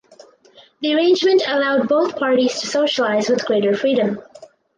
The arrangement allowed both parties to socialize with greater freedom.